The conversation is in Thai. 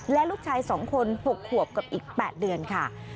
และลูกชาย๒คน๖ขวบกับอีก๘เดือนค่ะ